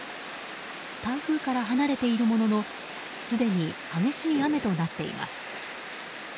台風から離れているもののすでに激しい雨となっています。